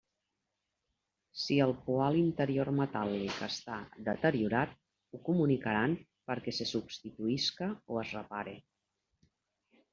Si el poal interior metàl·lic està deteriorat, ho comunicaran perquè se substituïsca o es repare.